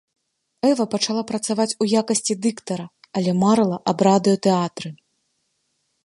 Эва пачала працаваць у якасці дыктара, але марыла аб радыётэатры.